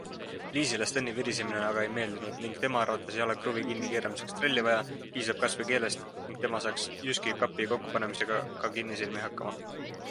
Liisile Steni virisemine aga ei meeldinud ning tema arvates ei olegi kruvi kinni keeramiseks trelli vaja, piisab kasvõi keelest ning tema saaks Jyski kapi kokkupanemisega ka kinnisilmi hakkama.